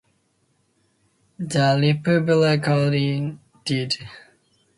The Republicans did.